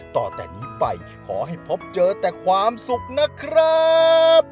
ต่อแต่นี้ไปขอให้พบเจอแต่ความสุขนะครับ